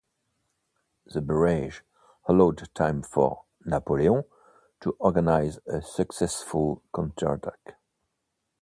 The barrage allowed time for Napoleon to organize a successful counterattack.